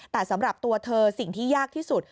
แต่สำหรับตัวเธอสิ่งที่ยากที่สุด